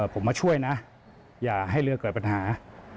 ผมมาช่วยนะอย่าให้เรือเกิดปัญหา